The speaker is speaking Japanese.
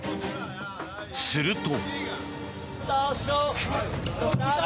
すると。